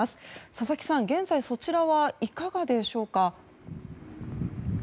佐々木さん、現在そちらはいかがでしょうか？